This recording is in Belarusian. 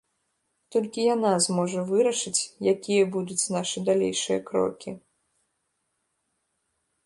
Толькі яна зможа вырашыць, якімі будуць нашы далейшыя крокі.